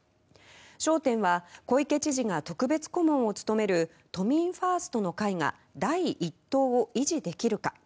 焦点は、小池知事が特別顧問を務める都民ファーストの会が第１党を維持できるか。